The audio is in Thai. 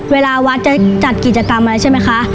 เวลาวัดจะจัดกิจกรรมอะไรใช่ไหมคะ